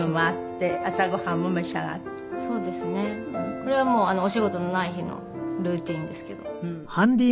これはもうお仕事のない日のルーティンですけど。